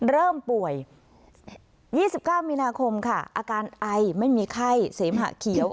เริ่มป่วย๒๙มีนาคมค่ะอาการไอไม่มีไข้เสมหะเขียว